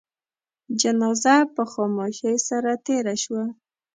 جنازه په خاموشی سره تېره شوه.